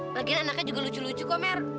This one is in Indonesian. lagian anaknya juga lucu lucu kok mer